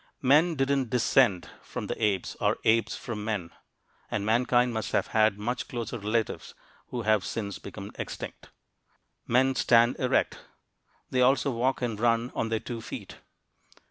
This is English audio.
Men didn't "descend" from the apes or apes from men, and mankind must have had much closer relatives who have since become extinct. Men stand erect. They also walk and run on their two feet.